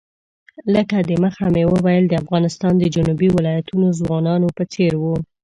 لکه د مخه مې وویل د افغانستان د جنوبي ولایتونو ځوانانو په څېر وو.